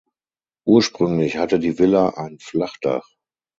Ursprünglich hatte die Villa ein Flachdach.